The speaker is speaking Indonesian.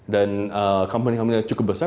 dan company kami cukup besar